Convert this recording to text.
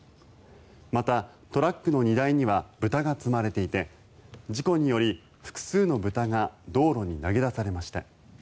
また、トラックの荷台には豚が積まれていて事故により複数の豚が道路に投げ出されました。